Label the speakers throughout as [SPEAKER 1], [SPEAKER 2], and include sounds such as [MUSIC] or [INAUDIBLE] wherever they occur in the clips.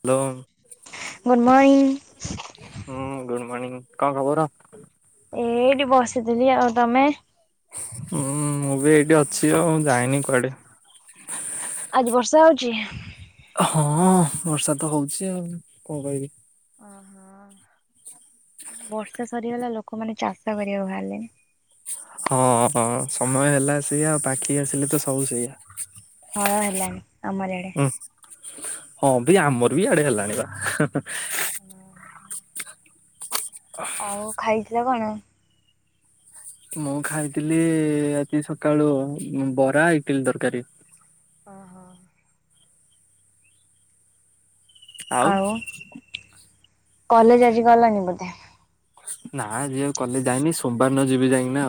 [SPEAKER 1] Hello
[SPEAKER 2] good morning
[SPEAKER 1] ହୁଁ good morning. କଣ ଖବର?
[SPEAKER 2] ଏଇଠି ବସିଥିଲି ଆଉ ତମେ।
[SPEAKER 1] ହୁଁ ମୁଁ ବି ଏଇଠି ଅଛି ଆଉ ମୁ ଯାଇନି କୁଆଡେ।
[SPEAKER 2] ଆଜି ବର୍ଷା ହଉଛି?
[SPEAKER 1] ହଁ ବର୍ଷା ତ ହଉଛି ଆଉ କଣ କହିବି।
[SPEAKER 2] ଓହୋ। ବର୍ଷା ସରିଗଲା ଲୋକମାନେ ଚାଷ କରିବାକୁ ବାହାରିଲେ।
[SPEAKER 1] ହଁ ସମୟ ହେଲା ସେଇଆ ପାଖେଇ ଆସିଲେ ତ ସବୁ ସେଇଆ।
[SPEAKER 2] ହଳ ହେଲାଣି ଆମର ଏଆଡେ।
[SPEAKER 1] ହୁଁ ହଁ ବି ଆମର ବି ଆଡେ ହେଲାଣି ବା।
[SPEAKER 2] ଆଉ ଖାଇଥିଲା କଣ?
[SPEAKER 1] ମୁଁ ଖାଇଥିଲି ଆଜି ସକାଳୁ ବରା ଇଟିଲ ତରକାରୀ।
[SPEAKER 2] ଓହୋ। ଆଉ କଲେଜ ଆଜି ଗଲନି ବୋଧେ।
[SPEAKER 1] ନା ଯିଏ ଆଉ କଲେଜ ଯାଇନି ସୋମବାର ନ ଯିବି ଯାଇକି ନା।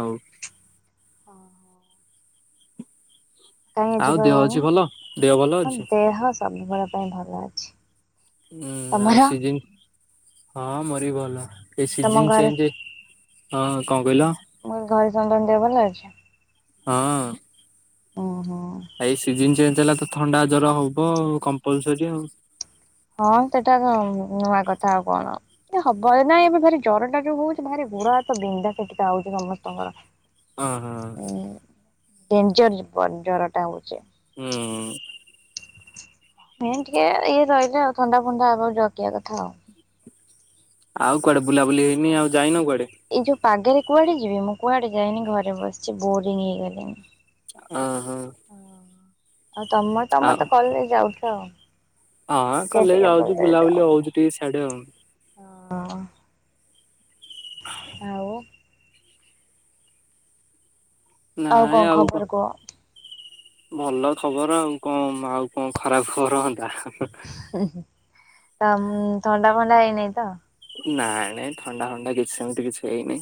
[SPEAKER 2] କାଇଁ ଆଉ ଯିବ
[SPEAKER 1] ଦେହ ଅଛି ଭଲ ଦେହ ଭଲ
[SPEAKER 2] କହୁନ
[SPEAKER 1] ଅଛି?
[SPEAKER 2] ଦେହ ସବୁବେଳ ପାଇଁ ଭଲ ଅଛି।
[SPEAKER 1] ହୁଁ ଆଉ
[SPEAKER 2] ତମର
[SPEAKER 1] ସିଜିନ ହଁ ମୋର ବି ଭଲ। ଏ
[SPEAKER 2] ତମ
[SPEAKER 1] ସିଜିନ ଚେଞ୍ଜେ ହଁ। କଣ କହିଲ
[SPEAKER 2] ତମ ଘରେ ସମସ୍ତଙ୍କ ଦେହ ଭଲ ଅଛି?
[SPEAKER 1] ହଁ।
[SPEAKER 2] ଓହୋ।
[SPEAKER 1] ଦେଲା ତ ଥଣ୍ଡା ଜର ହବ ଆଉ କମ୍ପଲସରୀ ଆଉ
[SPEAKER 2] ହଁ ସେଟା ତ ନୂଆ କଥା ଆଉ କଣ ଏ ହବ ଏ ନାଇଁ ଏବେ ଭାରି ଜର ଟା ଯୋଉ ହଉଚି ଭାରି ଗୋଡ଼ ହାତବିନ୍ଧାଛିଟିକା ହଉଚି ସମସ୍ତଙ୍କର।
[SPEAKER 1] ଅ ହଁ।
[SPEAKER 2] ଉଁ ଡେଞ୍ଜର ବ ଜର ଟା ହଉଚି।
[SPEAKER 1] ହୁଁ।
[SPEAKER 2] ମେନ ଟିକେ ଇଏ ରହିଲେ ଆଉ ଥଣ୍ଡା ଫଣ୍ଡା ହବ ଜଗିବା କଥା ଆଉ
[SPEAKER 1] ଆଉ କୁଆଡେ ବୁଲାବୁଲି ହେଇନି, ଆଉ ଯାଇନ କୁଆଡ଼େ?
[SPEAKER 2] ଏଇ ଯୋଉ ପାଗରେ କୁଆଡେ ଯିବି ମୁଁ କୁଆଡେ ଯାଇନି ଘରେ ବସିଚି ବୋରିଂ ହେଇଗଲିଣିି।
[SPEAKER 1] ଅଁ ହଁ।
[SPEAKER 2] ଆଉ ତମ ତମେ ତ କଲେଜ ଯାଉଛ ଆଉ।
[SPEAKER 1] ଆ
[SPEAKER 2] ଟିକେ
[SPEAKER 1] କଲେଜ
[SPEAKER 2] ଟିକେ
[SPEAKER 1] ଯାଉଚୁ ବୁଲାବୁଲି
[SPEAKER 2] ଯାଉଛ।
[SPEAKER 1] ହଉଚି ଟିକେ ସିଆଡେ ଆଉ ।
[SPEAKER 2] ହଁ। ଆଉ ଆଉ କଣ ଖବର କୁହ?
[SPEAKER 1] ଭଲ ଖବର ଆଉ କଣ ଆଉ କଣ ଖରାପ ଖବର ହଁଅନ୍ତା।
[SPEAKER 2] ତ ମୁଁ ଥଣ୍ଡା ଫଣ୍ଡା ହେଇନାଇଁ ତ?
[SPEAKER 1] ନାଇ ନାଇଁ ଥଣ୍ଡା ଫଣ୍ଡା କିଛି ସେମିତି କିଛି ହେଇନି।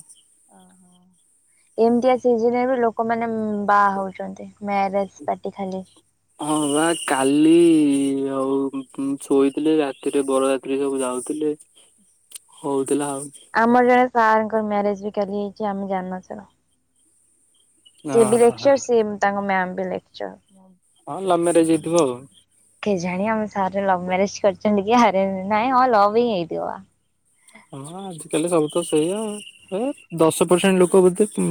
[SPEAKER 2] ଏମତିଆ ସିିଜିନରେ ବି ଲୋକମାନେ ଉୁଁ ବାହା ହଉଚନ୍ତି ମ୍ୟାରେଜ ପାର୍ଟି ଖାଲି
[SPEAKER 1] ହଁ ବା କାଲି ଆଉ ଉ ଶୋଇଥିଲି ରାତିରେ ବରଯାତ୍ରି ସବୁ ଯାଉ ଥିଲେ ହଉ।
[SPEAKER 2] ଆମର ଜଣେ ସାର୍ ଙ୍କ ମେରେଜ ବି କାଲି ହେଇଚି ଆମେ ଜାଣିନଥିଲୁ। ସିଏ ବି
[SPEAKER 1] ହଁ
[SPEAKER 2] ଲେକ୍ଚର ସିଏମ ତାଙ୍କ ମ୍ୟାମ ବି ଲେକ୍ଚର।
[SPEAKER 1] ହଁ ଲଭ ମେରେଜ ହେଇଥିବ।
[SPEAKER 2] କେ ଜାଣି ଆମ ସାର୍ ଲଭ ମ୍ୟାରେଜ କରିଚନ୍ତି କି ଆରେଞ୍ଜ ନାଇଁ ହଁ ଲଭ ହିଁ ହେଇଥିବ ବା
[SPEAKER 1] ହଁ ଆଜିକାଲି ସବୁ ତ ସେଇଆ ହେ ଦଶ ପରସେଣ୍ଟ ଲୋକ ବୋଧେ ଉ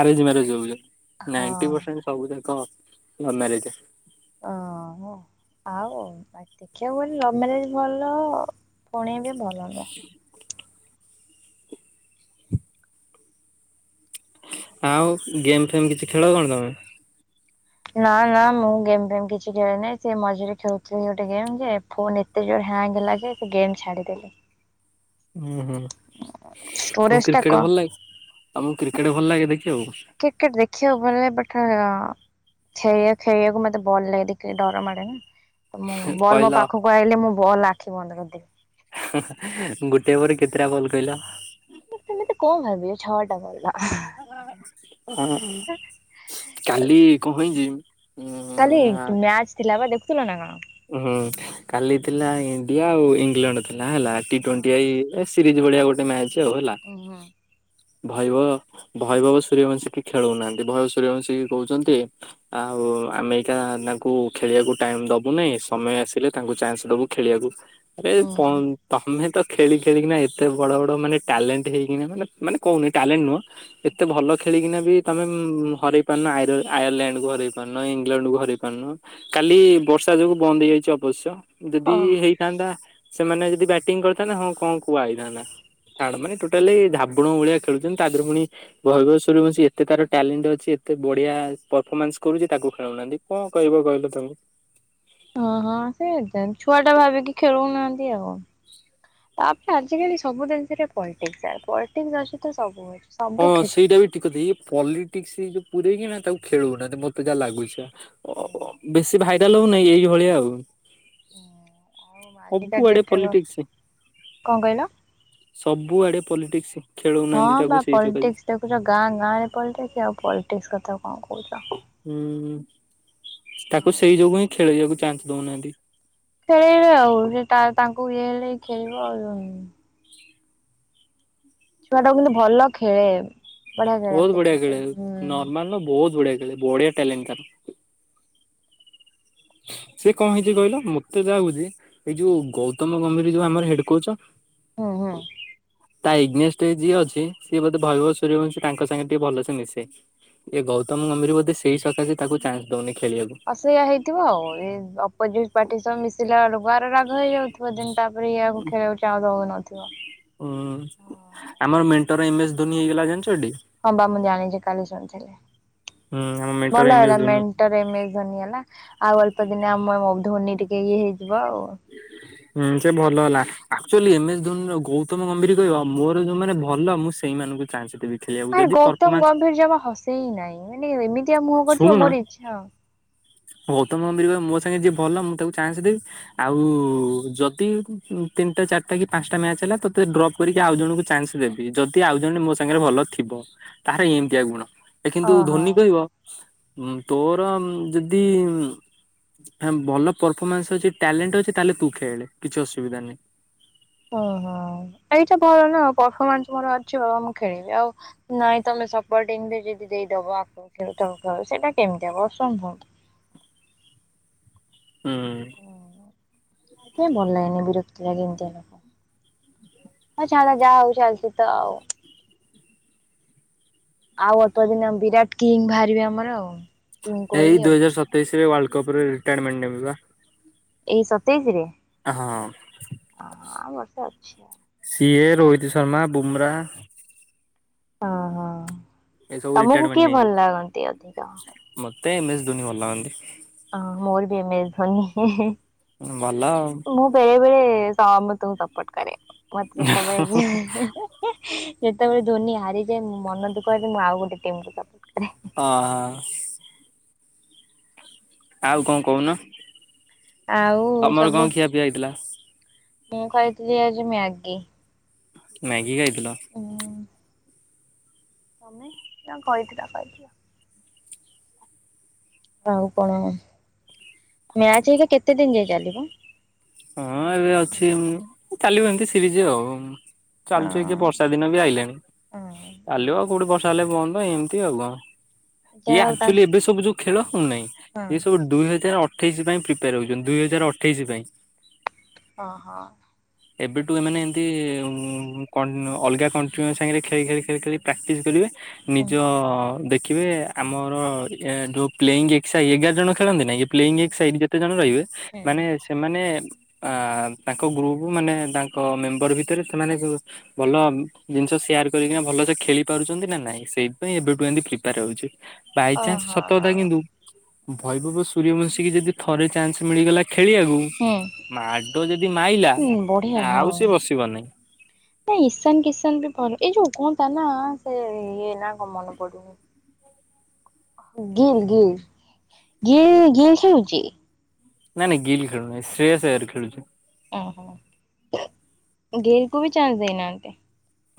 [SPEAKER 1] ଆରେଞ୍ଜ ମ୍ୟାରେଜ ହଉଚନ୍ତି
[SPEAKER 2] ହଁ
[SPEAKER 1] ନାଇଣ୍ଟି ପ୍ରସେଣ୍ଟ ସବୁ ଯାକ ଲଭ୍ ମ୍ୟାରେଜ।
[SPEAKER 2] ଓ ଆଉ ଦେଖିବାକୁ ଗଲେ ଲଭ ମ୍ୟାରେଜ ଭଲ। ସୁଣେଇବେ ଭଲ ନୁହଁ।
[SPEAKER 1] ଆଉ ଗେମ୍ ଫେମ କିଛି ଖେଳ ନା ତମେ?
[SPEAKER 2] ନା ନା ମୁଁ ଗେମ୍ ଫେମ୍ କିଛି ଖେଳେ ନାହିଁ ସେ ମଝିରେ ଖେଳୁଥିଲି ଗୋଟେ ଗେମ୍ ଯେ ଫୋନ ଏତେ ଜୋର ହାଙ୍ଗ ହେଲା ଯେ ସେ ଗେମ୍ ଛାଡ଼ିଦେଲି।
[SPEAKER 1] ହୁଁ ହୁଁ ତମକୁ
[SPEAKER 2] ଷ୍ଟୋରେଜ ଟା
[SPEAKER 1] କ୍ରିକେଟ
[SPEAKER 2] କ
[SPEAKER 1] ଭଲ ଲାଗେ? ତମକୁ କ୍ରିକେଟ ଭଲ ଲାଗେ ଦେଖିବାକୁ
[SPEAKER 2] କ୍ରିକେଟ ଦେଖିବାକୁ ଭଲ ଲାଗେ ବଟ ଖେଳିବା ଖେଳିବାକୁ ମତେ ବଲ ଲାଗ ଦେଖିଲେ ଡର ମାଡେ ନା। ମୁଁ ବଲ୍ ମୋ
[SPEAKER 1] କହିଲ
[SPEAKER 2] ପାଖକୁ ଆଇିଲେ ମୁଁ ବଲ୍ ଆଖି ବନ୍ଦ କରିଦେବି।
[SPEAKER 1] ଗୋଟେ ପରେ କେତେଟା ବଲ୍ କହିଲ?
[SPEAKER 2] ମତେ ଏମିତି କଣ ଭାବିଚ ଛଅ ଟା ବଲ୍।
[SPEAKER 1] ହ ଅ କାଲି କଣ ହେଇଚି
[SPEAKER 2] କାଲି ମ୍ୟାଚ ଥିଲା ବା ଦେଖୁଥିଲ ନା କଣ?
[SPEAKER 1] ହୁଁ କାଲି ଥିଲା ଇଣ୍ଡିଆ ଆଉ ଇଂଲଣ୍ଡ ଥିଲା ହେଲା ଟି
[SPEAKER 2] ହଁ
[SPEAKER 1] ଟ୍ୱଣ୍ଟି ଆଇ ଏସ ସିରିଜ ଭଳିିଆ ଗୋଟେ ମ୍ୟାଚ ଆଉ ହେଲା।
[SPEAKER 2] ଉହୁଁ
[SPEAKER 1] ଭୈଭ ଭୈଭବ ସୂର୍ଯ୍ୟବଂଶୀକି ଖେଳଉନାହାନ୍ତି ଭୈଭବ ସୂର୍ଯ୍ୟବଂଶୀ କହୁଚନ୍ତି ଆଉ ଓ ଆମେରିକା ୟାଙ୍କୁ ଖେଳିବାକୁ ଟାଇମ ଦବ ଦବୁନି ସମୟ ଆସିଲେ ତାଙ୍କୁ ଚାନ୍ସ ଦବୁ ଖେଳିବାକୁ ଆରେ ପନ
[SPEAKER 2] ଉହୁଁ
[SPEAKER 1] ତମେ ତ ଖେଳି ଖେଳିକିନା ଏତେ ବଡ ବଡ ମାନେ ଟ୍ୟାଲେଣ୍ଟ ହେଇକିନା ମାନେ କହୁନି ଟ୍ୟାଲେଣ୍ଟ ନୁହଁ ଏତେ ଭଲ ଖେ ଖେଳିକିନା ବି ତମେ ଉ ହରଇ ପାରୁନ ଆୟର ଆୟାରଲାଣ୍ଡ କୁ ହରେଇ ପାରୁନ ଇଂଲଣ୍ଡ ହରଇ ପାରୁନ କାଲି ଖାଲି ବର୍ଷା ଯୋଗୁ ବନ୍ଦ ହେଇଯାଇଛି ଅବଶ୍ୟ ଯଦି
[SPEAKER 2] ହଁ।
[SPEAKER 1] ହେଇଥାନ୍ତା ସେମାନେ ଯଦି ବ୍ୟାଟିଂ କରିଥାନ୍ତେ ହଁ କଣ କୁହା ହେଇଥାନ୍ତା। ଛାଡେ ମାନେ ଟୋଟାଲି ଝାବଡ଼ ଭଳିଆ ଖେଳୁଛନ୍ତି ତା ଦେହରେ ପୁଣି [UNINTELLIGIBLE] ଏତେ ତାର ଟ୍ୟାଲେଣ୍ଟ ଅଛି। ଏତେ ବଢିଆ ପରଫମାନ୍ସ କରୁଛି ତାକୁ ଖେଳଉନାହାନ୍ତି କଣ କହିବ କହିଲ ତାଙ୍କୁ।
[SPEAKER 2] ହଁ ହଁ ସେ ଛୁଆ ଟା ଭାବିକି ଖେଳଉନାହାନ୍ତି ଆଉ। ତାପରେ ଆଜିକାଲି ସବୁ ଜିନିରେ ପଲିଟିକସ ପଲିଟିକ୍ସ ଅଛି ତ ସବୁ ଅଛି।
[SPEAKER 1] ହଁ
[SPEAKER 2] ସବୁ କ୍ଷେ
[SPEAKER 1] ସେଇଟା ବି ଠିକ କଥା ଇଏ ପଲିଟିକସ ଯୋଉ ପୁରରେଇକ କି ନା ତାକୁ ଖେଳଉନାହାନ୍ତି ମତେ ଯାହା ଲାଗୁଛି। ଅ ଅ ବେଶୀ ଭାଇରାଲ ହଉନାହିଁ ଏଇଭଳିଆ ଆଉ।
[SPEAKER 2] ଆଉ ଆଜିକା
[SPEAKER 1] ସବୁଆଡେ
[SPEAKER 2] ଡେଟରେ
[SPEAKER 1] ପଲିଟିକ୍ସ
[SPEAKER 2] କଣ କହିଲ?
[SPEAKER 1] ସବୁଆଡେ ପଲିଟିକସ।
[SPEAKER 2] ହଁ ବା ପଲିଟିକସ ଦେଖୁଛ ଗାଁ ଗାଁ ରେ ପଲଟିକ୍ସ ଆଉ ପଲିଟିକସ କଥା କ କଣ କରୁଚ?
[SPEAKER 1] ହୁଁ। ତାକୁ ସେଇ ଯୋଗୁ ହିଁ ଖେଳେଇବାକୁ ଚାନ୍ସ ଦଉନାହାନ୍ତି।
[SPEAKER 2] ଖେଳେଇବେ ଆଉ ସେଟା ତାଙ୍କୁ ଇଏ ହେଲେ ଖେଳିବ ଆଉ। ଛୁଆ ଟାକୁ କିନ୍ତୁ ଭଲ ଖେଳେ। ବଢିଆ ଖେଳେ ମୁଁ
[SPEAKER 1] ବହୁତ ବଢିଆ
[SPEAKER 2] ଦେଖିଛି
[SPEAKER 1] ଖେଳେ
[SPEAKER 2] ହୁଁ।
[SPEAKER 1] ନର୍ମାଲ ନା ବହୁତ ବଢିଆ ଖେଳେ ବଢିଆ ଟ୍ୟାଲେଣ୍ଟତାର। [INAUDIBLE] ସେ କଣ ହେଇଛି କହିଲ ମତେ ଯାହା ହଉଛି ଏଇ ଯୋଉ ଗୌତମ ଗମ୍ଭୀରୀ ଯୋଉ ଆମର ହେଡ କୋଚ।
[SPEAKER 2] ହୁଁ ହୁଁ
[SPEAKER 1] [INAUDIBLE] ତା ଏଗନେଷ୍ଟ ରେ ଯିଏ ଅଛି ସିଏ ବୋଧେ ଭୟବବ ସୂର୍ଯ୍ୟବଂଶୀ ତାଙ୍କ ସାଙ୍ଗେ ଟିକେ ଭଲସେ ମିଶେ। ଏ ଗୌତମ ଗମ୍ଭୀର ବୋଧେ ସେଇ ସକାଶେ ତାକୁ ଚାନ୍ସ ଦଉନି। ଖେଳିବାକୁ।
[SPEAKER 2] ଅ ସେଇୟଆ ହେଇଥିବ ଆଉ ଏ ଅପୋଜିଟ ପାର୍ଟି ସହ ମିଶିଲା ବେଳକୁ ତାର ରାଗ ହେଇଯାଉଥିବ ଦେନ ତାପରେ ଇଆକୁ ଖେଳ [UNINTELLIGIBLE]
[SPEAKER 1] ହୁଁ ଆମର ମେଣ୍ଟର ଏମସ୍ ଧୋନି ହେଇଗଲା ଜଣିଚ
[SPEAKER 2] ହଁ ବା ମୁଁ ଜାଣିଛି କାଲି ଶୁଣିଥିଲି।
[SPEAKER 1] ହୁଁ ଆମ ମେଣ୍ଟର
[SPEAKER 2] ଭଲ
[SPEAKER 1] ଏମ ଏସ୍
[SPEAKER 2] ହେଲା
[SPEAKER 1] Dhoni
[SPEAKER 2] mentor M S Dhoni ହେଲା। ଆଉ ଅଳ୍ପ ଦିନେ ଆମ ଧ୍ୱନି ଟିକେ ଇଏ ହେଇଯିବ ଆଉ।
[SPEAKER 1] ହୁଁ ସେ ଭଲ ହେଲା actually M S Dhoni Gautam ଗମ୍ଭୀର କହିବ ମୋର ଯୋଉମାନେ ଭଲ ମୁଁ ସେଇମାନ ଚାଁସେ ଦେବି। ଖେଳିବାକୁ
[SPEAKER 2] ଆର୍
[SPEAKER 1] ଯଦି
[SPEAKER 2] ଗୌତମ
[SPEAKER 1] ପରଫମାନ୍ସ
[SPEAKER 2] ଗମ୍ଭୀର ଜମା ହସେଇ ନାଇଁ ମାନେ ଏମିତିଆ ମୁହଁ କରୁଥିବ
[SPEAKER 1] ଶୁଣୁନ
[SPEAKER 2] ମୋର ଇଚ୍ଛା
[SPEAKER 1] [INAUDIBLE] ଗୌତମ ଗମ୍ଭିର ମୋ ସାଙ୍ଗେ ଯିଏ ଭଲ ମୁଁ ତାକୁ ଚାନ୍ସ ଦେବି ଆଉ ଯଦି ତିନିଟା ଚାରିଟା କି ପାଞ୍ଚଟା ମ୍ୟାଚ ହେଲା ତୋତେ ଡ୍ରପ୍ କରିକି ଆଉ ଜଣଙ୍କୁ ଚାନ୍ସ ଦେବି ଯଦି ଆଉ ଜଣ ମୋ ସାଙ୍ଗରେ ଭଲ ଥିବ। ତାର ଏମତିଆ ଗୁଣ ଏ କିନ୍ତୁ
[SPEAKER 2] ଓହୋ
[SPEAKER 1] ଧୋନୀ କହିବ ଉମ ତୋର ଯଦି ଇ ହ ଭଲ ପରଫମାନ୍ସ ଅଛି ଟ୍ୟାଲେଣ୍ଟ ଅଛି ତାହେଲେ ତୁ ଖେଳେ କିଛି ଅସୁବିଧା ନାହିଁ।
[SPEAKER 2] ଓହୋ ଏ ଏଇଟା ଭଲ ନା ପରଫମାସ ମର ଚ ମୁଁ ଖେଳିବି ଆଉ ନାଇଁ ତମେ ସପଟିଙ୍ଗ ଯଦି ଦେଇଦବ ଆ ଖେଳୁ ତମ ଖେଳ ସେଇଟା କେ କେମିତି ହବ ସମ୍ଭବ
[SPEAKER 1] [INAUDIBLE] ହୁଁ।
[SPEAKER 2] ହେତିପାଇଁ ଭଲ ଲାଗେନି ବିରକ୍ତି ଲାଗି ମତେ। ଆଁ ଛାଡ଼ ଯାହା ହଉ ଚାଲିଛି ତ ଆଉ। ଆଉ ଅତ ଦିନ ବିରାଟ କିଙ୍ଗ ବାହାରିବେ ଆମର ଆଉ। କିଙ୍ଗ
[SPEAKER 1] ଏଇ
[SPEAKER 2] କୋହଲି ଆଉ
[SPEAKER 1] ଦୁଇ ହଜାର ସତେଇଶ ରେ ୱାର୍ଲଡ କପରେ ରିଟାୟାରମେଣ୍ଟ ନେବେ ପା।
[SPEAKER 2] ଏଇ ସତେଇଶି ରେ।
[SPEAKER 1] ହଁ।
[SPEAKER 2] ହ ଆଉ ବର୍ଷେ ଅଛି
[SPEAKER 1] ସିଏ ରୋହିତ ଶର୍ମା ବୁମରା
[SPEAKER 2] ଓ ହଁ,
[SPEAKER 1] ଏସବୁ
[SPEAKER 2] ତମକୁ
[SPEAKER 1] ରିଟାୟାରମେଣ୍ଟ
[SPEAKER 2] କିଏ
[SPEAKER 1] ନେଇଯିବେ।
[SPEAKER 2] ଭଲ ଲାଗନ୍ତି ଅଧିକ?
[SPEAKER 1] ମତେ ଏମ ଏସ୍ ଦୁନି ଭଲ ଲାଗନ୍ତି।
[SPEAKER 2] ହଁ ମୋର ବି ଏମ ଏସ ଧ୍ୱନି।
[SPEAKER 1] ଭଲ ଆଉ।
[SPEAKER 2] ସମ ତୁ ଙ୍କୁ ସପୋର୍ଟ କରରେ ମତେ ଯେତେବେଳ ସେତେବେଳେ ଧୋନି ହାରିଯାଏ ମୁ ମନ ଦୁଃଖରେ ମୁଁ ଆଉ ଗୋଟେ ଟିମ କୁ ସପୋର୍ଟ କରେ।
[SPEAKER 1] ଅ ହ। ଆଉ କଣ କହୁନ,
[SPEAKER 2] ଆଉ
[SPEAKER 1] ତମର
[SPEAKER 2] ସବୁ
[SPEAKER 1] କଣ ଖିଆ ପିଆ ହେଇଥିଲା?
[SPEAKER 2] ମୁଁ ଖାଇଥିଲି ଆଜି ମ୍ୟାଗି।
[SPEAKER 1] ମ୍ୟାଗି ଖାଇଥିଲ?
[SPEAKER 2] ତମେ ନା କହିଥିଲ କହିଥିଲ। ଆଉ କଣ, ମ୍ୟାଚ ହେଇକି କେତେ ଦିନ ଯାଇ ଚାଲିବ?
[SPEAKER 1] ହଁ ଏବେ ଅଛି ଚାଲିବ ଏମିତି ସିରିଜ ଆଉ। ଚାଲୁଛୁ ଏ ବର୍ଷା ଦିନ ବି ଆଇିଲଣି ଚାଲୁ ଆଉ କୋଉଠି ବର୍ଷ ନ ହେଲେ ବନ୍ଦ ଏମିତି ଆଉ କଣ। ଏଇ
[SPEAKER 2] ଯାହା ହଉ ତା
[SPEAKER 1] ଆକ୍ଚୁଆଲି ଏବେ ସବୁ ଯୋଉ ଖେଳ ହଉନାହିଁ ଏ
[SPEAKER 2] ହଁ
[SPEAKER 1] ସବୁ ଦୁଇ ହଜାର ଅଠ ଅଠେଇଶ ପାଇଁ ପ୍ରିପେୟାର ହଉଛନ୍ତି ଦୁଇ ହଜାର ଅଠେଇଶି ପାଇଁ।
[SPEAKER 2] ଅହୋ।
[SPEAKER 1] ଏବେଠୁ ଏମାନେ ଏମିତି କଣ୍ଟ ଅଲଗା କଣ୍ଟ୍ରିଙ୍କ ସାଙ୍ଗରେ ଖେଳି ଖେଳି ଖେଳି ଖେଳି ପ୍ରାକ୍ଟିସ କରିବେ
[SPEAKER 2] ଓହୋ।
[SPEAKER 1] ନିଜ ଦେଖିବେ ଆମର ଯୋଉ ପ୍ଲେଂ ଏଶ୍ ଇ ଏଗାର ଜଣ ଖେଳନ୍ତିନି ନାଁ ପ୍ଲେଇଙ୍ଗ ଏକ ସାଇନ ଯେତେ ଜଣ ରହିବେ
[SPEAKER 2] ହୁଁ
[SPEAKER 1] ମାନେ ସେମାନେ ଅ ତାଙ୍କ ଗ୍ରୁପ ମାନେ ତାଙ୍କ ମେମ୍ବର ଭିତରେ ସେମାନେ ସବୁ ଭଲ ଜିନିଷ ସେୟାର କରିକିନା ଭଲ ସେ ଖେଳି ପାରୁଛନ୍ତି ନା ନାଇଁ ସେଇଥିପାଇଁ ଏବେଠୁ ଏମିତି ପ୍ରିପାର ହଉଛି। ବାଇଚନ୍ସ
[SPEAKER 2] ଓହୋ
[SPEAKER 1] ସତ କଥା କିନ୍ତୁ
[SPEAKER 2] ହଁ
[SPEAKER 1] ଭୈଭବ ସୂର୍ଯ୍ୟବଂଶୀ କି ଯଦି ଥରେ ଚାନ୍ସ ମିଳିଗଲା ଖେଳିବାକୁ ମାଡ଼ ଯଦି ମାଇଲା
[SPEAKER 2] ହୁଁ ବଢିଆ
[SPEAKER 1] ଆଉ
[SPEAKER 2] ହଁ।
[SPEAKER 1] ସି ବସିବନାହିଁ।
[SPEAKER 2] ନା ଈଶାନ କିଶାନ ବି ଭ ଏଇ ଯୋଉ କୁହନ୍ତା ନା ସେ ଇଏ ନା କଣ ମନେ ପଡ଼ୁନି। ଗିିଲ ଗିିଲ୍ ଗି ଗିିଲ୍ ଖେଳୁଛି?
[SPEAKER 1] ନାଇଁ ନାଇ ଗିଲ ଖେଳୁ ନହିଁ ଶ୍ରେୟସ ଆୟାର ଖେଳୁଛି।
[SPEAKER 2] ଓହୋ ଗିଲକୁ ବି ଚାନ୍ସ ଦେଇନାହାନ୍ତି।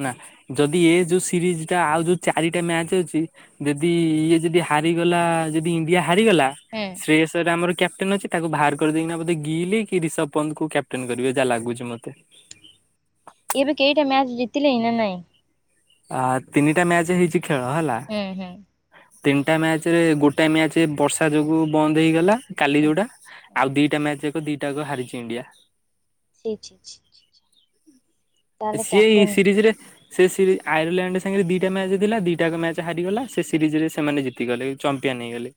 [SPEAKER 1] ନା ଯଦି ଏ ଯୋଉ ସିରିଜ ଟା ଆଉ ଯୋଉ ଚାରିଟା ମ୍ୟାଚ ଅଛି ଯଦି ଇଏ ଯଦି ହାର ଗଲା ଯଦି ଇଣ୍ଡିଆ ହାରିଗଲା
[SPEAKER 2] ହୁଁ
[SPEAKER 1] ଶ୍ରେୟସ ଆୟା ଆମର କ୍ୟାପ୍ଟେନ ଅଛି ତାକୁ ବାହାର କରିଦେଇକିନା ବୋଧେ ଗିିଲ କି ରିଷଭ ପନ୍ତ କ୍ୟାପଟେନ କରିବେ ଯାହା ଲାଗୁଛି ମତେ।
[SPEAKER 2] ଏବେ କେଇଟା ମ୍ୟାଚ ଜିତିଲେଣି ନା ନାଇଁ।
[SPEAKER 1] ଆ ତିନିଟା ମ୍ୟାଚ ହେଇଛି ଖେଳ ହେଲା।
[SPEAKER 2] ହୁଁ ହୁଁ।
[SPEAKER 1] ତିନିଟା ମ୍ୟାଚ ରେ ଗୋଟେ ମ୍ୟାଚ ବର୍ଷା ଯୋଗୁ ବନ୍ଦ ହେଇଗଲା କାଲି
[SPEAKER 2] ହୁଁ
[SPEAKER 1] ଯୋଉଟା। ଆଉ ଦିଟା ମ୍ୟାଚ ଏକ ଦିଟାକ ହାରିଛି ଇଣ୍ଡିଆ।
[SPEAKER 2] ଛି ଛି ଛି ଛି ଛି। ତାହେଲେ
[SPEAKER 1] ସିଏ ଏଇ
[SPEAKER 2] କ୍ୟାପଟେନ
[SPEAKER 1] ସିରିଜ ରେ ସେ ସିରି ଆୟରଲା୍ୟାଣ୍ଡ ସାଙ୍ଗରେ ଦିଟା ମ୍ୟାଚ୍ ଥିଲା ଦିଟାକ ମ୍ୟାଚ୍ ହାରିଗଲା ସେ ସିରିଜ ରେ ସେମାନେ ଜିତିଗଲେ ଚମ୍ପି ନେଇଗଲେ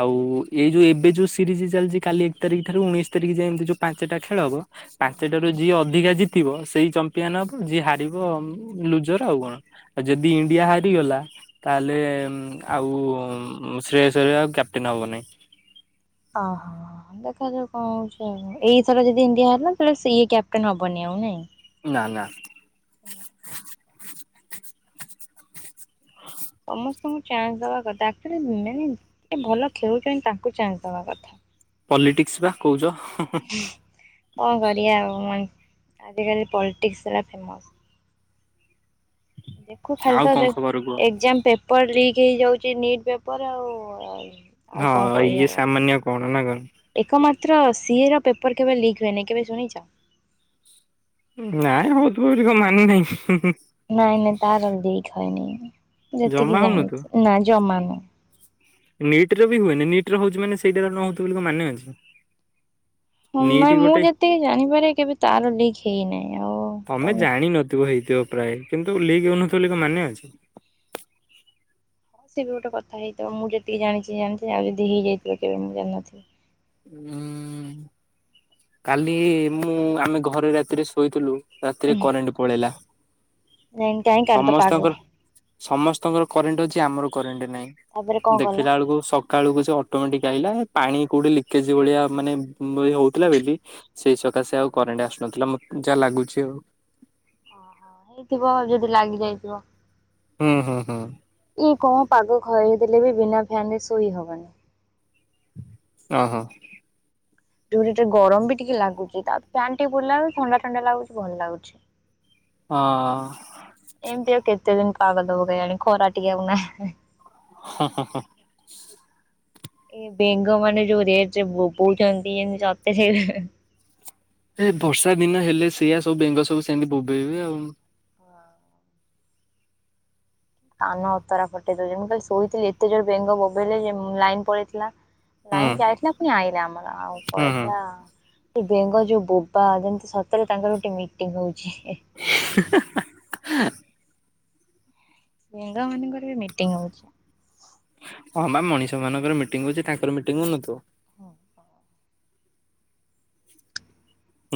[SPEAKER 1] ଆଉ ଏ ଯୋଉ ଏବେ ଯୋଉ ସିରିଜ ଚାଲିଛି କାଲି ଏକ ତାରିଖ ଠାରୁ ଉଣେଇଶ ତାରିଖ ଯାଏ ଏମିତି ଯୋଉ ପାଁ ପାଞ୍ଚଟା ଖେଳବ ପାଞ୍ଚଟାରୁ ଯିଏ ଅଧିକା ଜିତିବ ସେଇ ଚମ୍ପି ମ୍ପିଆନ ହବ ଯିଏ ହାରିବ ଲୁଜର ଆଉ କଣ ଆ ଯଦି ଇଣ୍ଡିଆ ହାରିଗଲା ତାହେଲେ। ଏନ ଆଉ ଶ୍ରେୟର ଆୟର ଆଉ କ୍ୟାପଟେନ ହବନହିଁ।
[SPEAKER 2] ଓହୋ ଦେଖାଯାଉ କଣ ହଉଛି ଆଉ ଏଇଥର ଯଦି ଇଣ୍ଡିଆ ହାରିଲା ଇଏ କ୍ୟାପଟେନ ହବନି ଆଉ ନାଇଁ।
[SPEAKER 1] ନା ନା।
[SPEAKER 2] ହ ସମସ୍ତଙ୍କୁ ଚାନ୍ସ ଦବା କଥା ଆକଚୋଲି ମାନେ ଭଲ ଖେଳୁଛନ୍ତି ତାଙ୍କୁ ଚାନ୍ସ ଦବା କଥା।
[SPEAKER 1] ପଲିଟିକ୍ସ ବା କହୁଛ
[SPEAKER 2] କଣ କରିବା ଆଉ ଆଜିକାଲି ପଲିଟିକ୍ସ ହେଲା ଫେମସ୍। ଦେଖୁ ଖାଲି
[SPEAKER 1] ଆଉ
[SPEAKER 2] ଟା
[SPEAKER 1] କଣ
[SPEAKER 2] ରେ
[SPEAKER 1] ଖବର କୁହ?
[SPEAKER 2] ଏକ୍ଜାମ ପେପର ଲିକ୍ ହେଇ ଯାଉଚି ନିଟ୍ ପେପର ଆଉ ଆଉ କଣ
[SPEAKER 1] ହଁ ଇଏ
[SPEAKER 2] କହିବା କ?
[SPEAKER 1] ସାମାନ୍ୟ କଣ ନା କଣ?
[SPEAKER 2] ଏକ ମାସ ତ୍ର ସି ର ପେପର କେବେ ଲିକ୍ ହୁଏନି କେବେ ଶୁଣିଚ?
[SPEAKER 1] ନାଇଁ ହଉଥିବ କିଛି କଣ ମାନେ ନାହିଁ।
[SPEAKER 2] ନାଇଁ ନାଇଁ ତାର ଲିଇକ ହୋଏନି
[SPEAKER 1] ଜମା
[SPEAKER 2] ଯେତିକି ଜାଣିଚି ନା, ଜମା ନୁହ।
[SPEAKER 1] ନିଟ ର ବି ହୁଏନି ନିଟ ର ହଉଚି ମାନେ ସେଇଟା ନ ହଉଚି ବୋଲି ମାନେ ଅଛି?
[SPEAKER 2] ହଁ,
[SPEAKER 1] ନିଟ୍
[SPEAKER 2] ନାଇଁ ମୁଁ
[SPEAKER 1] ଗୋଟେ
[SPEAKER 2] ଯେତିକି ଜାଣିପାରେ କେବେ ତାର ଲିକ୍ ହେଇନାହିଁ ଆଉ ତମେ
[SPEAKER 1] ବେ ଟ୍ରାଇ କିନ୍ତୁ ଲିକ୍ ହେଉନଥିବ ବୋଲି କଣ ମାନେ ଅଛି?
[SPEAKER 2] ହଁ, ସେ ବି ଗୋଟେ କଥା ହେଇଥିବ ମୁଁ ଯେତିକି ଜାଣିଚି ଜାଣିଚି ଆଉ ଯଦି ହେଇଯାଇଥିବ କେବେ ମୁଁ ଜାଣିନଥିବି
[SPEAKER 1] ହୁଁ। କାଲି ମୁଁ ଆମେ ଘରେ ରାତିରେ ଶୋଇଥିଲୁ ରାତିରେ କରେଣ୍ଟ ପଳେଇଲା।
[SPEAKER 2] କାଇଁ କାଲି ତ ପାଗ
[SPEAKER 1] ସମସ୍ତଙ୍କର ସମସ୍ତଙ୍କର କରେଣ୍ଟ ଅଛି ଆମର କରେଣ୍ଟ ନାଇଁ
[SPEAKER 2] ତାପରେ କଣ କଲ?
[SPEAKER 1] ଦେଖିଲା ବେଳକୁ ସକାଳକୁ ସେ ଅଟୋମେଟିକ ଆଇଲା । ପାଣି କୋଉଠି ଲିକେଜ ଭଳିଆ ମାନେ ହଉଥିଲା ବେଲି ସେଇ ସକାଶେ ଆଉ କରେଣ୍ଟ ଆସୁନଥିଲା । ମ ଯାହା ଲାଗୁଚି ଆଉ
[SPEAKER 2] ଓହୋ। ହେଇଥିବ ଯଦି ଲାଗି ଯାଇଥିବ।
[SPEAKER 1] ହୁଁ ହୁଁ ହୁଁ।
[SPEAKER 2] କି କଣ ପାଗ ଘରେ ଦେଲେ ବିନା ଫ୍ୟାନ ରେ ଶୋଇ ହବନି।
[SPEAKER 1] ଓ ହୋ।
[SPEAKER 2] ଯୋଉ ରେଟ୍ ରେ ଗରମ ବି ଟିକେ ଲାଗୁଚି ତା ଫ୍ୟାନ୍ ଟିକେ ବୁଲିଲା ବେଳକୁ ଥଣ୍ଡା ଥଣ୍ଡା ଲାଗୁଚି ଭଲ ଲାଗୁଚି।
[SPEAKER 1] ହଁ।
[SPEAKER 2] ଏମିତି ଆଉ କେତେ ଦିନ ପାଗ ଦବ କେଜାଣି ଖରା ଟିକେ ଆଉ ନାହିଁ?
[SPEAKER 1] [INAUDIBLE]
[SPEAKER 2] ଏ ବେଙ୍ଗ ମାନେ ଯୋଉ ରେଟରେ ବୋବଉଚନ୍ତି ଏମିତି ଅତାସିଆ
[SPEAKER 1] ଏ ବର୍ଷା ଦିନ ହେଲେ ସେଇଆ ସବୁ ବେଙ୍ଗ ସବୁ ସେମିତି ବୋବେଇବେ ଆଉ।
[SPEAKER 2] କାନ ଅତରା ଫଟେଇ ଦଉଚନ୍ତି। ମୁଁ କାଲି ଶୋଇଥିଲି ଏତେ ଜୋରେ ବେଙ୍ଗ ବୋବେଇଲେ ଯେ ଲାଇନ ପଳେଇଥିଲା।
[SPEAKER 1] ହୁଁ
[SPEAKER 2] ଲାଇନ ଯାଇଥିଲା ପୁଣି ଆଇଲା ଆମର ଆଉ
[SPEAKER 1] ହୁଁ ହୁଁ
[SPEAKER 2] ପଲେଇଥିଲା ବେଙ୍ଗ ଯୋଉ ବୋବା ଯେମିତି ସତରେ ତାଙ୍କର ଗୋଟେ ମିଟିଂ ହଉଚି।
[SPEAKER 1] [INAUDIBLE]
[SPEAKER 2] ବେଙ୍ଗ ମାନଙ୍କର ବି ମିଟିଙ୍ଗ ହଉଚି।
[SPEAKER 1] ହଁ, ବା ମଣିଷ ମାନଙ୍କର ମିଟିଂ ହଉଚି ତାଙ୍କର ମିଟିଂ ହଉନଥିବ?
[SPEAKER 2] [INAUDIBLE]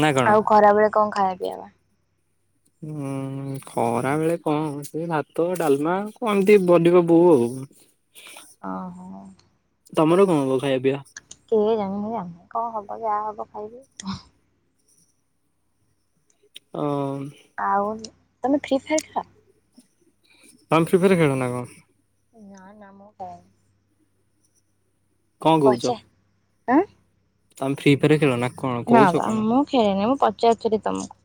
[SPEAKER 1] ନା କଣ?
[SPEAKER 2] ଆଉ ଖରାବେଳେ କଣ ଖାଇବା ପିଇବା?
[SPEAKER 1] ହୁଁ ଖରାବେଳେ କଣ ସେ ଭାତ, ଡାଲମା କଣ ଏମିତି ବନିବ ବୋଉ ଆଉ। [INAUDIBLE]
[SPEAKER 2] ଓ ହୋ।
[SPEAKER 1] ତମର କଣ ହବ ଖାଇବା ପିଇବା?
[SPEAKER 2] କେଇଜାଣି ମୁଁ ଜାଣିନି କଣ ହବ ଯାହା ହବ ଖାଇବି।
[SPEAKER 1] ଓ।
[SPEAKER 2] ଆଉ ତମେ ଫ୍ରି ଫାୟାର ଖେଳ?
[SPEAKER 1] ତମେ ଫ୍ରୀ ଫାୟାର ଖେଳନା କଣ?
[SPEAKER 2] ନାଁ, ନାଁ ମୁଁ ଖେଳେ ନି।
[SPEAKER 1] କଣ କହୁଚ?
[SPEAKER 2] ଆ?
[SPEAKER 1] ତମେ ଫ୍ରି ଫାୟାର ଖେଳ ନା? କଣ
[SPEAKER 2] ନା
[SPEAKER 1] କହୁଛ
[SPEAKER 2] ବା
[SPEAKER 1] କଣ?
[SPEAKER 2] ମୁଁ ଖେଳିନି ମୁଁ ପଚାରୁଥିଲି ତମକୁ?